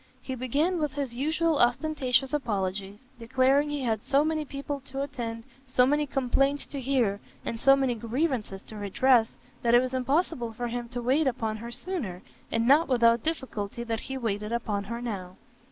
He began with his usual ostentatious apologies, declaring he had so many people to attend, so many complaints to hear, and so many grievances to redress, that it was impossible for him to wait upon her sooner, and not without difficulty that he waited upon her now.